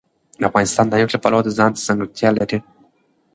افغانستان د نفت د پلوه ځانته ځانګړتیا لري.